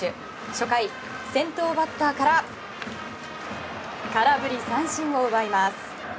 初回、先頭バッターから空振り三振を奪います。